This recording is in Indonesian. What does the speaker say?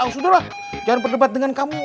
sudahlah jangan berdebat dengan kamu